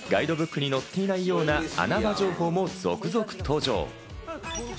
だからガイドブックに載っていないような穴場情報も続々登場！